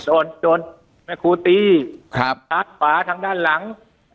โดนโดนคุณครูตีทางฝาทางด้านหลัง